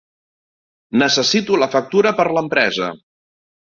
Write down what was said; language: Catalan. Necessito la factura per l'empresa.